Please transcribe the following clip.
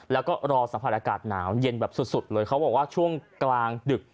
แล้วก็รอสัมผัสอากาศหนาวเย็นแบบสุดเลยเขาบอกว่าช่วงกลางดึก